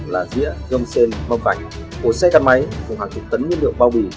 là rĩa gâm sen mâm vảnh của xe căn máy cùng hàng chục tấn nguyên liệu bao bì